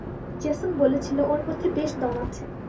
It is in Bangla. জেসন বলেছিল ওর মধ্যে বেশ দম আছে।